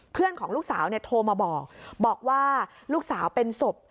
เพื่อนของลูกสาวเนี่ยโทรมาบอกบอกว่าลูกสาวเป็นศพ